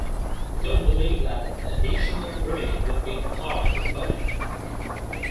They don't believe that the additional revenue would be applied to the budget.